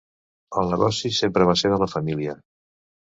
El negoci sempre va ser de la família.